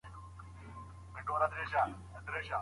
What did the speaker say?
د طلاق ډولونه.